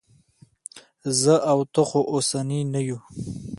زه او ته خو اوسني نه یو.